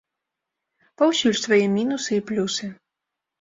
Паўсюль свае мінусы і плюсы.